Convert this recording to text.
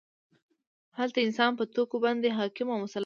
هلته انسان په توکو باندې حاکم او مسلط وي